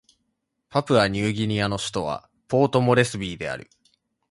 パプアニューギニアの首都はポートモレスビーである